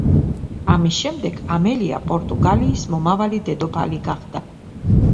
ამის შემდეგ ამელია პორტუგალიის მომავალი დედოფალი გახდა.